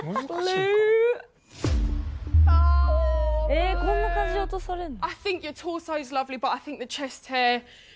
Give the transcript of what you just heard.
えこんな感じで落とされんの？